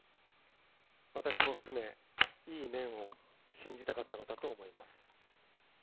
私も含め、いい面を信じたかったのだと思います。